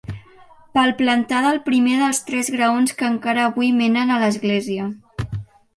Palplantada al primer dels tres graons que encara avui menen a l'església.